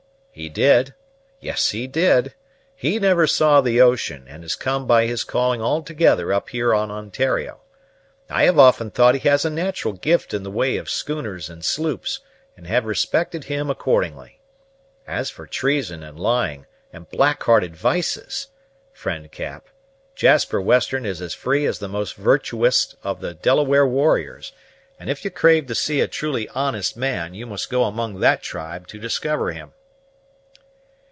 "He did; yes, he did. He never saw the ocean, and has come by his calling altogether up here on Ontario. I have often thought he has a nat'ral gift in the way of schooners and sloops, and have respected him accordingly. As for treason and lying and black hearted vices, friend Cap, Jasper Western is as free as the most virtuousest of the Delaware warriors; and if you crave to see a truly honest man, you must go among that tribe to discover him."